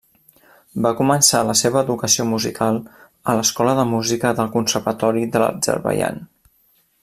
Va començar la seva educació musical a l'escola de música del Conservatori de l'Azerbaidjan.